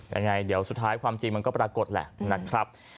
ยังไงเดี๋ยวสุดท้ายความจริงมันก็ปรากฏแหละนะครับ